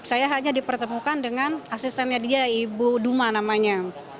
saya hanya dipertemukan dengan asistennya dia ibu duma namanya